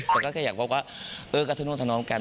แต่ก็แค่อยากเพราะว่ากับทุกคนทั้งน้องกัน